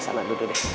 sana duduk deh